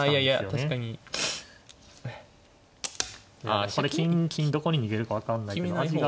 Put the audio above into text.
あこれ金どこに逃げるか分かんないけど味が。